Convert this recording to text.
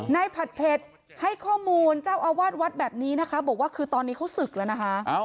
ผัดเผ็ดให้ข้อมูลเจ้าอาวาสวัดแบบนี้นะคะบอกว่าคือตอนนี้เขาศึกแล้วนะคะ